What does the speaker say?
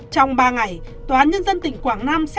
trong ba ngày tòa án nhân dân tỉnh quảng nam xét nghiệm